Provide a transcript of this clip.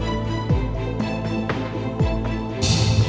เฮ้แมมเชิย